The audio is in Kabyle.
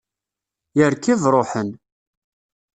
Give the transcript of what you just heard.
Yerkeb, ruḥen.